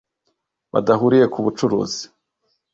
badahuriye ku bucuruzi .